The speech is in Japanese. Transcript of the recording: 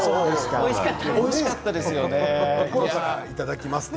おいしかったです。